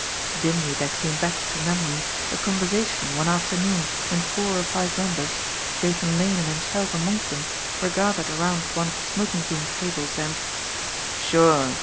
Dimly there came back to memory a conversa tion one afternoon when four or five members, Jathan Lane and himself amongst them, were gathered around one of the smoking room tables, and "Sure!"